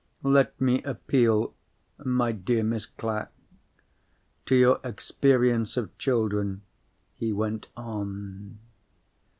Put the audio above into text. "Let me appeal, my dear Miss Clack, to your experience of children," he went on.